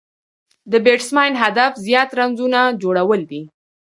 د بېټسمېن هدف زیات رنزونه جوړول دي.